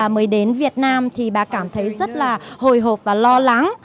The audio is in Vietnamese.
mới đến việt nam thì bà cảm thấy rất là hồi hộp và lo lắng